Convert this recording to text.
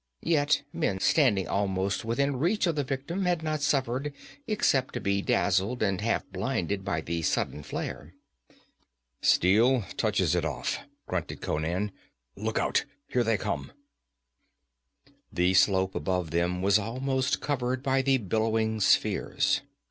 Yet men standing almost within reach of the victim had not suffered except to be dazzled and half blinded by the sudden flare. 'Steel touches it off,' grunted Conan. 'Look out here they come!' The slope above them was almost covered by the billowing spheres.